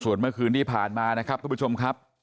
ส่วนเมื่อคืนที่ผ่านมานะครับทุกผู้ชมครับ